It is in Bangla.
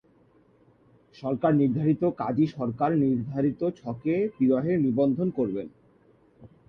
সরকার নির্ধারিত কাজী সরকার নির্ধারিত ছকে বিবাহের নিবন্ধন করবেন।